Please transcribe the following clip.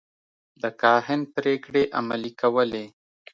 د کاهن پرېکړې عملي کولې.